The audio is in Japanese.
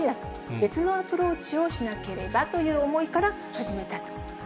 別のアプローチをしなければという思いから始めたと。